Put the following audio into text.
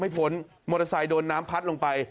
พ้นมอเตอร์ไซค์โดนน้ำพัดลงไป